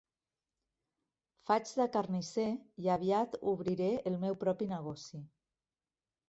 Faig de carnisser i aviat obriré el meu propi negoci.